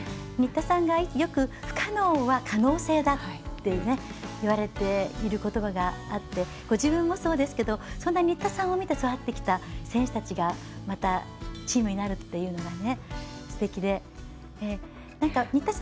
新田さんが、よく不可能は可能性だと言われている言葉があってご自分もそうですけどそんな新田さんを見て育ってきた選手たちがまたチームになるというのがすてきでね。